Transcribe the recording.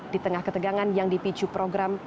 di tengah ketegangan yang dipicu program